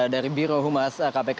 dari biro humas kpk